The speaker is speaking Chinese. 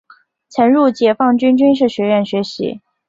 曾入解放军军事学院学习。